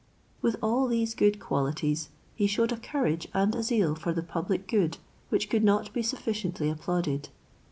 With all these good qualities he shewed a courage and a zeal for the public good which could not be sufficiently applauded.